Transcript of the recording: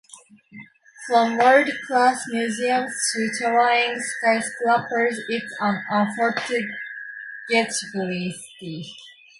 From world-class museums to towering skyscrapers, it is an unforgettable city.